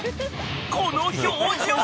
［この表情］